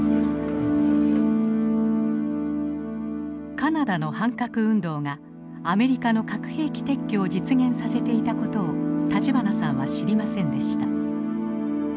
カナダの反核運動がアメリカの核兵器撤去を実現させていた事を立花さんは知りませんでした。